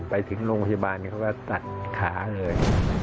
ไปถึงโรงพยาบาลเขาก็ตัดขาเลย